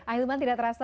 ahilban tidak terasa